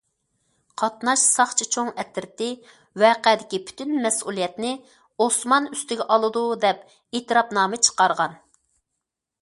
قاتناش ساقچى چوڭ ئەترىتى ۋەقەدىكى پۈتۈن مەسئۇلىيەتنى ئوسمان ئۈستىگە ئالىدۇ دەپ ئېتىراپنامە چىقارغان.